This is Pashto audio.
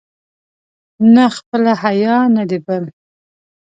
نه خپله حیا، نه د بل.